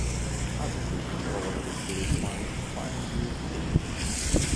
I've been looking all over the city trying to find you.